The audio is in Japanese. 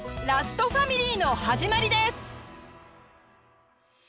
ラストファミリー」の始まりです。